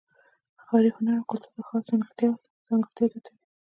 ښاري هنر او کلتور د ښار ځانګړتیا زیاتوي.